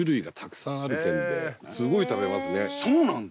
そうなんだ。